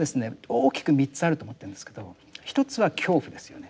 大きく３つあると思ってるんですけど一つは恐怖ですよね。